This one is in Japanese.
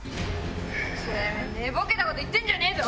テメェ寝ぼけたこと言ってんじゃねえぞ！